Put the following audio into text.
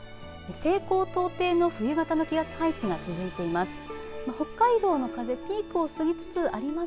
西高東低の冬型の気圧配置が続いています。